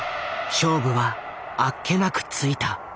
勝負はあっけなくついた。